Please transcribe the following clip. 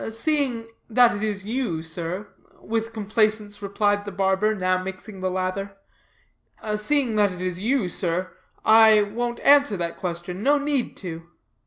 "Seeing that it is you, sir," with complaisance replied the barber, now mixing the lather, "seeing that it is you sir, I won't answer that question. No need to."